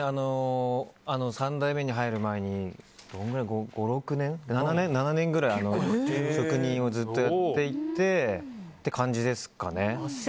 三代目に入る前に５６年７年ぐらい職人をずっとやっていてって感じですかね。